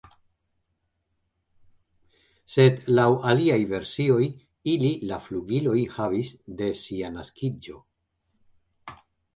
Sed laŭ aliaj versioj ili la flugilojn havis de sia naskiĝo.